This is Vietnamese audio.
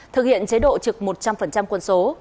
thực hiện chế độ trực một trăm linh quân số